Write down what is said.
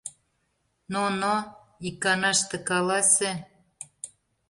Но-но, иканаште каласе.